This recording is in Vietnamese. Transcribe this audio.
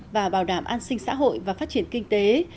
và bảo đảm an sinh xã hội và phát triển kinh tế